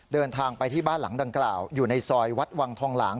เดินทางไปที่บ้านหลังดังกล่าวอยู่ในซอยวัดวังทองหลาง